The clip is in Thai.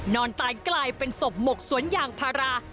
นอนตายกลายเป็นศพหมกสวนยางพารา